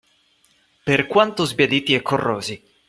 Per quanto sbiaditi e corrosi